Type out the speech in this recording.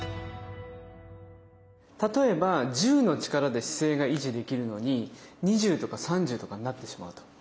例えば１０の力で姿勢が維持できるのに２０とか３０とかになってしまうと。